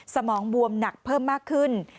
สมองบวมหนักเพิ่มมากขึ้น